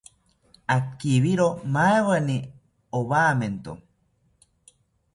Akibiro maweni owamento